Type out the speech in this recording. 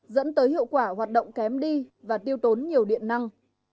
dẫn tới hiệu quả hoạt động kém đi và tiêu tốn nhiều điện năng